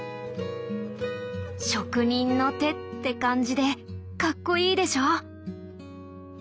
「職人の手」って感じでかっこいいでしょ。